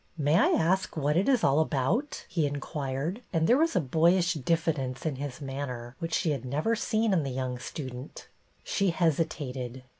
" May I ask what it is all about .I* " he in quired, and there was a boyish diffidence in his manner which she had never seen in the young student. She hesitated.